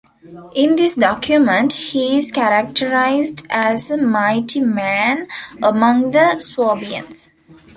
In this document he is characterized as a "mighty man among the Swabians".